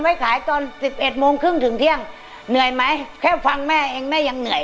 ไว้ขายตอนสิบเอ็ดโมงครึ่งถึงเที่ยงเหนื่อยไหมแค่ฟังแม่เองแม่ยังเหนื่อย